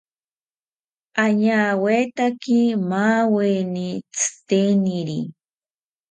Añawetaki maaweni tziteniri